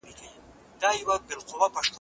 رشتیا ښه دي.